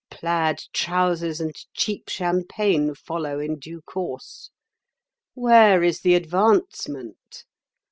Plaid trousers and cheap champagne follow in due course. Where is the advancement?